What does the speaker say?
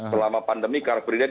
selama pandemi karakternya ditutup